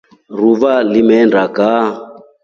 Ruva limeenda ngʼaa.